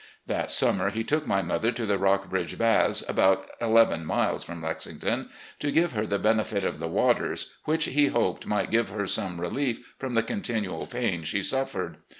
That summer he took my mother to the Rockbridge Baths, about eleven miles from Lexington, to give her the benefit of the waters, which, he hoped, might give her some relief from the continual pain she suffered.